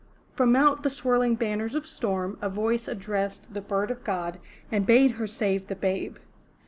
From out the swirling banners of storm, a voice addressed the Bird of God and bade her save the babe.